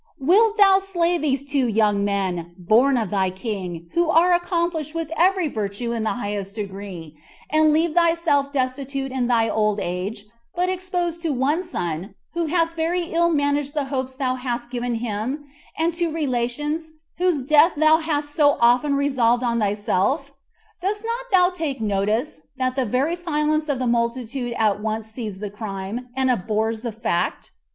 Wilt thou slay these two young men, born of thy queen, who are accomplished with every virtue in the highest degree, and leave thyself destitute in thy old age, but exposed to one son, who hath very ill managed the hopes thou hast given him,' and to relations, whose death thou hast so often resolved on thyself? Dost not thou take notice, that the very silence of the multitude at once sees the crime, and abhors the fact?